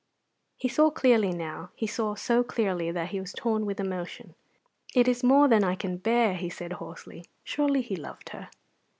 He saw clearly now; he saw so clearly that he was torn with emotion. "It is more than I can bear!" he said hoarsely. Surely he loved her.